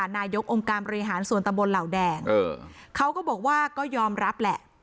นายกองค์การบริหารส่วนตำบลเหล่าแดงเขาก็บอกว่าก็ยอมรับแหละ